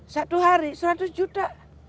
satu hari seratus juta